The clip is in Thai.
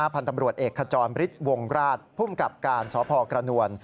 พันธุ์ตำรวจเอกขจรบริษย์วงราชพุ่มกับการสพกระนวล